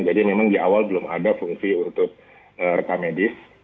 jadi memang di awal belum ada fungsi untuk rekamedis